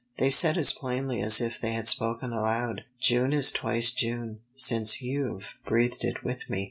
They said as plainly as if they had spoken aloud, "June is twice June, since you've breathed it with me."